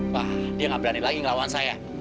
wah dia nggak berani lagi ngelawan saya